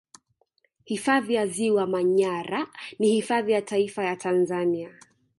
Hifadhi ya Ziwa Manyara ni hifadhi ya Taifa ya Tanzania